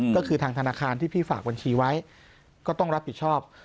ก็คือทางธนาคารที่พี่ฝากบัญชีไว้ก็ต้องรับผิดชอบ